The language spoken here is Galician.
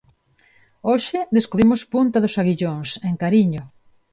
Hoxe descubrimos punta dos Aguillóns, en Cariño.